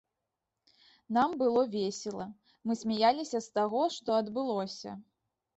Нам было весела, мы смяяліся з таго, што адбылося.